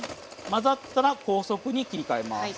混ざったら高速に切り替えます。